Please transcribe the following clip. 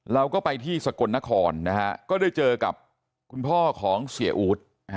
เราก็ไปที่สกลนครนะฮะก็ได้เจอกับคุณพ่อของเสียอู๊ด